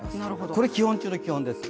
これ基本中の基本です。